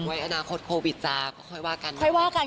ไว้อนาคตโควิดจ้าค่อยว่ากัน